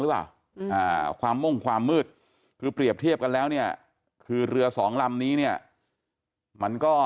หรือเปล่าความม่งความมืดคือเปรียบเทียบกันแล้วเนี่ยคือเรือสองลำนี้เนี่ยมันก็